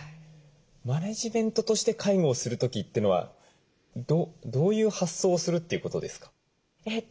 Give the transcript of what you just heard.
マネジメントとして介護をする時ってのはどういう発想をするっていうことですか？